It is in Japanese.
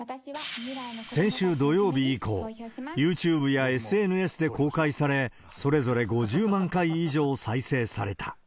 先週土曜日以降、ＹｏｕＴｕｂｅやＳＮＳで公開され、それぞれ５０万回以上再生された。